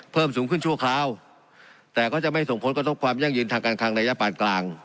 เพิ่มสูงขึ้นชั่วคราวแต่ก็จะไม่ส่งผลกระทบความยั่งยืนทางการคังระยะปานกลาง